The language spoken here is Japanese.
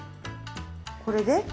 これで？